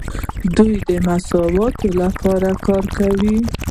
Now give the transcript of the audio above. دوی د مساوات لپاره کار کوي.